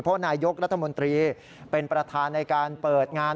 เพราะนายกรัฐมนตรีเป็นประธานในการเปิดงาน